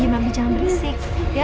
abi diam jangan berisik